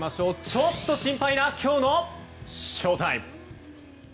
ちょっと心配な今日のショータイム！